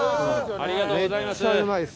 ありがとうございます。